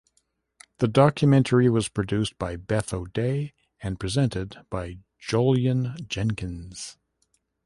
The documentary was produced by Beth O'Dea and presented by Jolyon Jenkins.